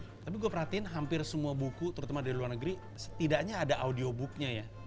tapi gue perhatiin hampir semua buku terutama dari luar negeri setidaknya ada audio booknya ya